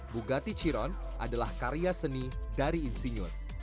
bugati chiron adalah karya seni dari insinyur